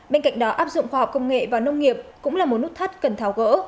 bên cạnh đó áp dụng khoa học công nghệ vào nông nghiệp cũng là một nốt thắt cần thao gỡ